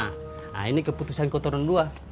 nah ini keputusan kotoran lu lah